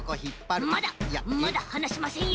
まだまだはなしませんよ！